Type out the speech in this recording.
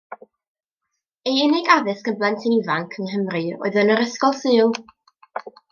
Ei unig addysg yn blentyn ifanc yng Nghymru oedd yn yr Ysgol Sul.